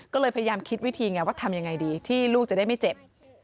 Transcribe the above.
ก็เลยพยายามคิดวิธีไงว่าทำยังไงดีที่ลูกจะได้ไม่เจ็บ